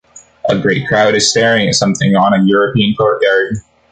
A great crowd is staring at something on a European courtyard.